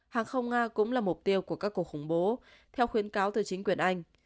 hàng không nga cũng là mục tiêu của các cuộc khủng bố theo khuyến cáo từ chính quyền anh